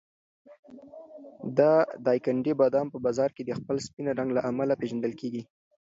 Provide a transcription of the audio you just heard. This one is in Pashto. د دایکنډي بادام په بازار کې د خپل سپین رنګ له امله پېژندل کېږي.